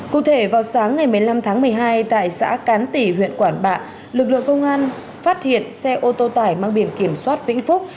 cụ thể vào sáng ngày một mươi năm tháng một mươi hai tại xã cán tỷ huyện quản bạ lực lượng công an phát hiện xe ô tô tải mang biển kiểm soát vĩnh phúc